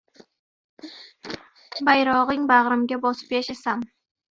“Bayrog‘ing bag‘rimga bosib yashasam”